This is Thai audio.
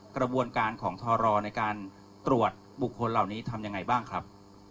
กระบวนการของทรในการตรวจบุคคลเหล่านี้ทำยังไงบ้างครับ